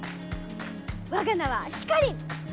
わが名はひかりん！